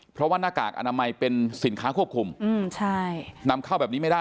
เพราะว่าหน้ากากอนามัยเป็นสินค้าควบคุมอืมใช่นำเข้าแบบนี้ไม่ได้